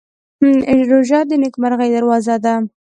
روژه د نېکمرغۍ دروازه ده.